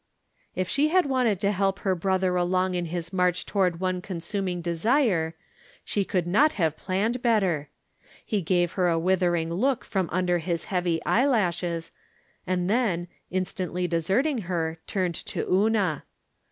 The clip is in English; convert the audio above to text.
If she had wanted to help her brother along in his march toward one consuming desire, she could not have jDlanned better. He gave her a withering look from under his heavy eyelashes, and then, instantly deserting her, turned to Una.